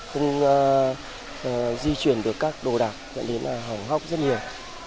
không di chuyển được các đồ đạc dẫn đến hỏng hóc rất nhiều